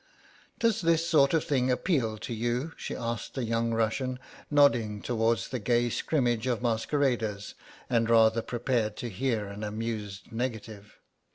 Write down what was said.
"Does this sort of thing appeal to you?" she asked the young Russian, nodding towards the gay scrimmage of masqueraders and rather prepared to hear an amused negative."